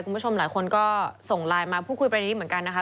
คุณผู้ชมหลายคนก็ส่งไลน์มาพูดคุยประเด็นนี้เหมือนกันนะคะ